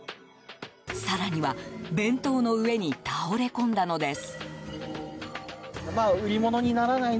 更には弁当の上に倒れ込んだのです。